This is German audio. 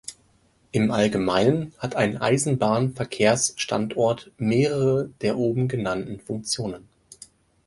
Im Allgemeinen hat ein Eisenbahnverkehrsstandort mehrere der oben genannten Funktionen.